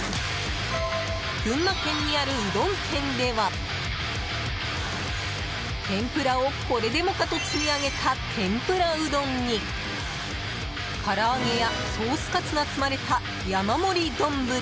群馬県にある、うどん店では天ぷらをこれでもかと積み上げた天ぷらうどんにから揚げやソースカツが積まれた山盛り丼。